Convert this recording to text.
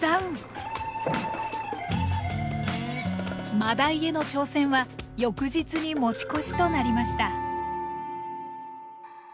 マダイへの挑戦は翌日に持ち越しとなりました。